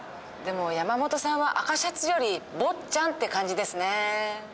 でも山本さんは「赤シャツ」より「坊っちゃん」って感じですね。